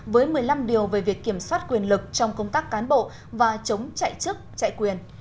với một mươi năm điều về việc kiểm soát quyền lực trong công tác cán bộ và chống chạy chức chạy quyền